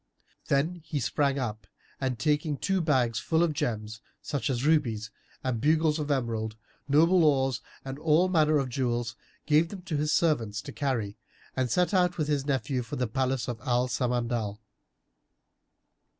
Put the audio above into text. Then he sprang up and taking two bags full of gems such as rubies and bugles of emerald, noble ores and all manner jewels gave them to his servants to carry and set out with his nephew for the palace of Al Samandal.